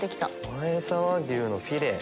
前沢牛のフィレ！